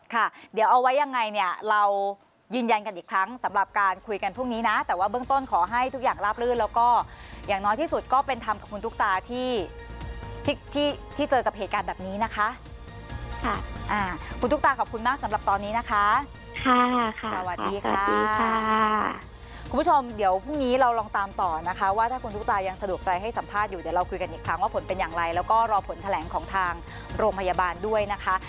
ค่ะค่ะเดี๋ยวเอาไว้ยังไงเนี่ยเรายืนยันกันอีกครั้งสำหรับการคุยกันพรุ่งนี้นะแต่ว่าเบื้องต้นขอให้ทุกอย่างลาบลื่นแล้วก็อย่างน้อยที่สุดก็เป็นทางคุณตุ๊กตาที่ที่ที่เจอกับเหตุการณ์แบบนี้นะคะคุณตุ๊กตาขอบคุณมากสำหรับตอนนี้นะคะค่ะค่ะค่ะค่ะค่ะค่ะค่ะค่ะค่ะค่ะค่ะค่ะค่ะค่ะค่ะ